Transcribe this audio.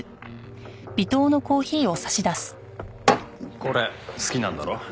これ好きなんだろ？